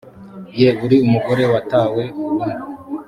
ye uri umugore watawe burundu